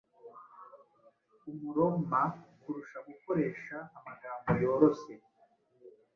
Umuroma kurusha gukoresha amagambo yoroshye,